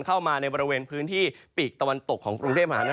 เข้ามาในบริเวณพื้นที่ปีกตะวันตกของกรุงเทพมหานคร